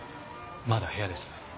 まだ部屋です。